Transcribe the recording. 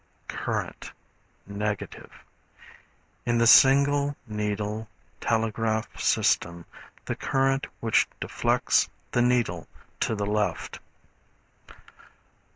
Current, Negative. In the single needle telegraph system the current which deflects the needle to the left.